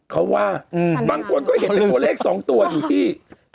เขาว่าบางคนก็เห็นเป็นตัวเลข๒ตัวอยู่ที่